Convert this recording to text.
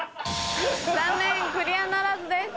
残念クリアならずです。